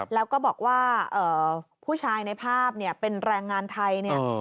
แล้วก็บอกว่าผู้ชายในภาพเป็นแรงงานไทย